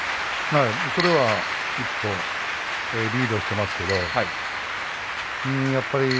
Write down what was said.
それが一歩リードしていますけど。